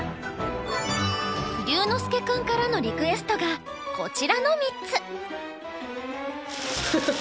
琉之介君からのリクエストがこちらの３つ。